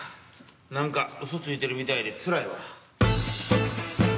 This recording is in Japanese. なんかうそついてるみたいでつらいわ。